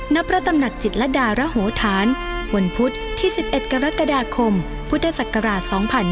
ณพระตำหนักจิตรดารโหธานวันพุธที่๑๑กรกฎาคมพุทธศักราช๒๕๕๙